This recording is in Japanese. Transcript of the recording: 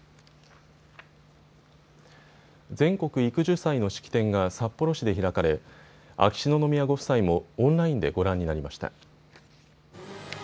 全国育樹祭の式典が札幌市で開かれ秋篠宮ご夫妻もオンラインでご覧になりました。